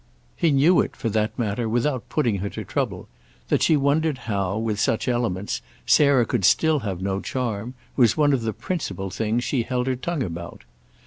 He knew it, for that matter, without putting her to trouble: that she wondered how, with such elements, Sarah could still have no charm, was one of the principal things she held her tongue about.